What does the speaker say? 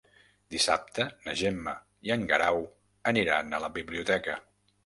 Dissabte na Gemma i en Guerau aniran a la biblioteca.